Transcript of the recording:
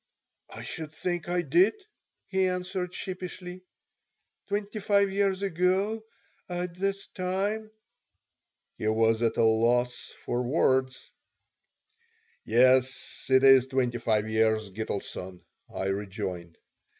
"I should think I did," he answered, sheepishly. "Twenty five years ago at this time " He was at a loss for words "Yes, it's twenty five years, Gitelson," I rejoined.